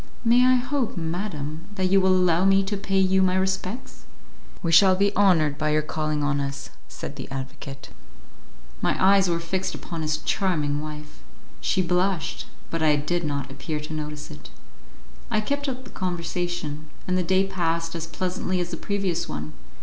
"May I hope, madam, that you will allow me to pay you my respects?" "We shall be honoured by your calling on us," said the advocate. My eyes were fixed upon his charming wife. She blushed, but I did not appear to notice it. I kept up the conversation, and the day passed as pleasantly as the previous one.